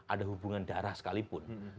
ada hubungan darah sekalipun